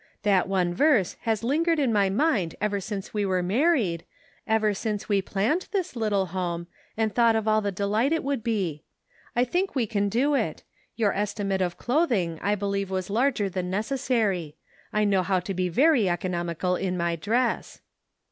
That one verse has lingered in my mind ever since we were married — ever since we planned this little home, and thought of all the delight it would be. I think we can do it ; your estimate of clothing I believe The Sum Total. 21 was larger than necessary; I know how to be very economical in my dress."